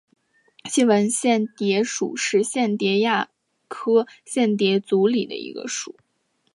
细纹蚬蝶属是蚬蝶亚科蚬蝶族里的一个属。